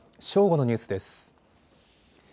正午のニュースです。